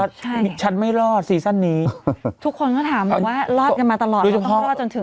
ใช่ฉันไม่รอดนี้ทุกคนก็ถามว่ารอดกันมาตลอดต้องรอจนถึง